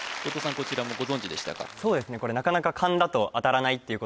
こちらもご存じでしたかそうですね